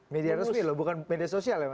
media resmi loh bukan media sosial ya mas